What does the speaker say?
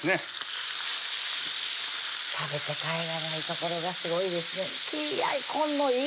食べて帰らないところがすごいですねいやいこの色！